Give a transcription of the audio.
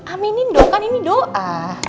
aminin dong kan ini doa